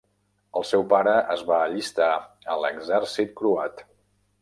El seu pare es va allistar a l'exèrcit croat.